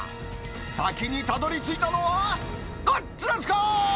先にたどりついたのは、どっちですか？